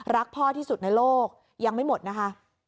พ่อที่สุดในโลกยังไม่หมดนะคะ